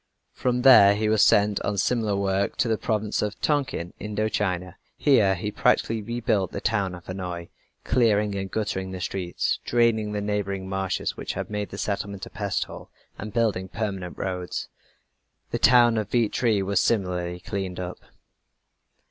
From there he was sent on similar work to the province of Tonkin, Indo China. Here he practically rebuilt the town of Hanoi, clearing and guttering the streets, draining the neighboring marshes which had made the settlement a pest hole, and building permanent roads. The town of Vietri was similarly cleaned up.